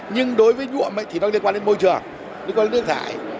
nhưng đối với nhuộm thì nó liên quan đến môi trường liên quan đến nước thải